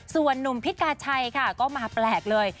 ส่วนนุ่มพิษกาชัยค่ะก็มาแปลกเลย